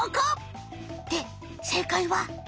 で正解は？